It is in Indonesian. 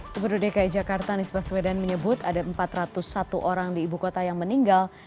gubernur dki jakarta nisbah sweden menyebut ada empat ratus satu orang di ibu kota yang meninggal